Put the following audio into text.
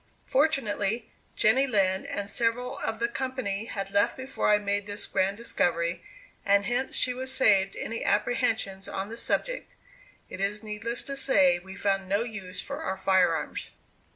Fortunately, Jenny Lind and several of the company had left before I made this grand discovery, and hence she was saved any apprehensions on the subject. It is needless to say we found no use for our firearms.